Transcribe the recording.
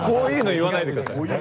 言わないでください。